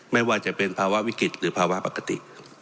ไม่ว่าจะเป็นภาวะวิกฤตหรือภาวะปกติ